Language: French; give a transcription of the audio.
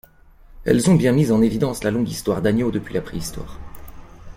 Elles ont bien mis en évidence la longue histoire d'Agneaux depuis la Préhistoire.